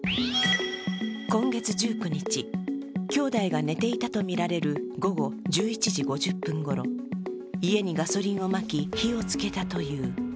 今月１９日、兄弟が寝ていたとみられる午後１１時５０分ごろ、家にガソリンをまき、火をつけたという。